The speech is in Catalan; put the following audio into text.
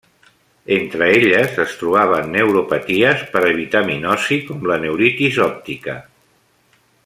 Entre elles es trobaven neuropaties per avitaminosi com la neuritis òptica.